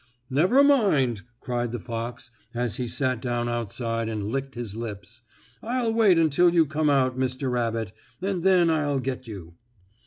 "Never mind," cried the fox, as he sat down outside and licked his lips. "I'll wait until you come out, Mr. Rabbit, and then I'll get you."